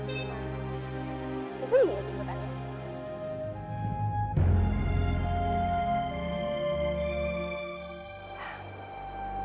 itu dia yang jemput ani